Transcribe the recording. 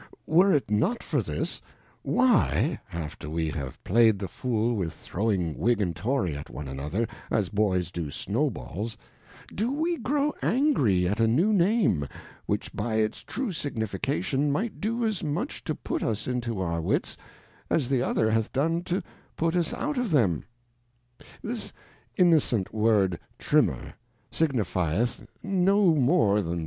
Were it not for this, why, after we have played the Fool with throwing Whig and Tory at one another, as Boys do Snow Balls, do we grow angry at a new Name, which by its true signification might do as much to put us into our Wits, as the other hath done to put us out of them ? This innocent word Tjimra£ji_signifietli .ntLjm}ze^ihjin..